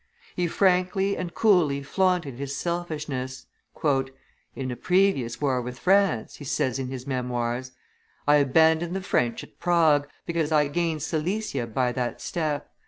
He frankly and coolly flaunted his selfishness. "In a previous war with France," he says in his memoirs, "I abandoned the French at Prague, because I gained Silesia by that step.